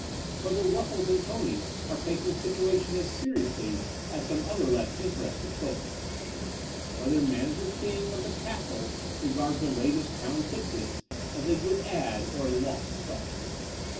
... Whether WuflBes and Tony are taking the situation as seriously as some other less in terested folk? ... Whether Manager King of the "Castle" regards the latest Town Tit Bits as a good ad*' or a lost star